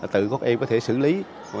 tự các em có thể xử lý